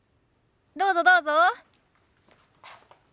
どうぞどうぞ。